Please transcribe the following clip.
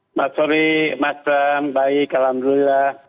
selamat sore mas bram baik alhamdulillah